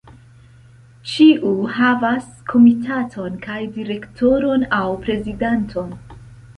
Ĉiu havas komitaton kaj direktoron aŭ prezidanton.